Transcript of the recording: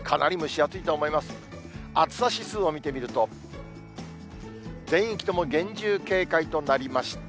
暑さ指数を見ていくと、全域とも厳重警戒となりました。